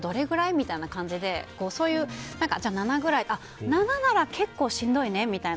みたいな感じで７くらい７なら結構しんどいねみたいな。